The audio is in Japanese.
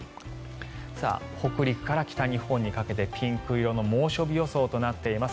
北陸から北日本にかけてピンク色の猛暑日予想となっています。